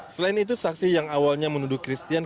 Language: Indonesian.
selain itu saksi yang awalnya menuduh christian